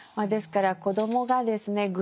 ですから子どもがですね